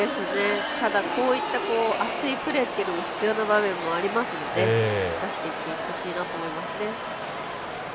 ただ、こういった熱いプレーも必要な場面もあると思いますので出していってほしいなと思いますね。